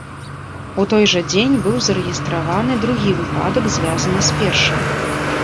У той жа дзень быў зарэгістраваны другі выпадак, звязаны з першым.